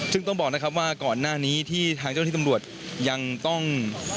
ซึ่งต้องบอกนะครับว่าก่อนหน้านี้ที่ทางเจ้าที่ตำรวจยังต้อง